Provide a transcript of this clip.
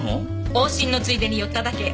往診のついでに寄っただけ。